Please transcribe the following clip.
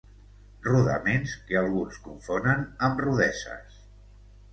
Rodaments que alguns confonen amb rudeses.